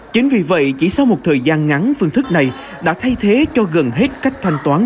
chính vì vậy chỉ sau một thời gian ngắn phương thức này đã thay thế cho gần hết cách thanh toán